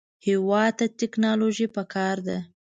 هېواد ته ټیکنالوژي پکار ده